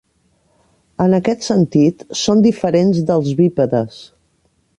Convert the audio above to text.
En aquest sentit, són diferents dels bípedes.